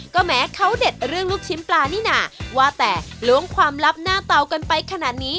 ก็แม้เขาเด็ดเรื่องลูกชิ้นปลานี่น่ะว่าแต่ล้วงความลับหน้าเตากันไปขนาดนี้